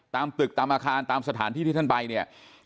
ตามตึกตามอาคารตามสถานที่ที่ท่านไปเนี่ย